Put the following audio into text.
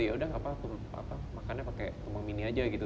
ya udah gak apa apa makannya pakai tumbang mini aja gitu